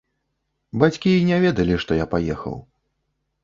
Бацькі і не ведалі, што я паехаў.